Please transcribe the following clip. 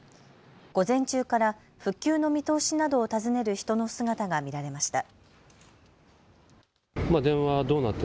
午前中から復旧の見通しなどを尋ねる人の姿が見られました。